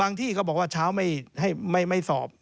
บางที่ก็บอกว่าเช้าไม่สอบ